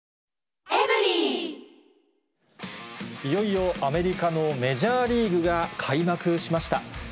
いよいよ、アメリカのメジャーリーグが開幕しました。